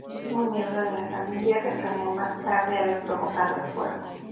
Un miembro de la Familia reclamó más tarde haber provocado el fuego.